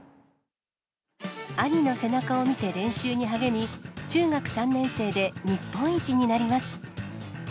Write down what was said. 兄の背中を見て練習に励み、中学３年生で日本一になります。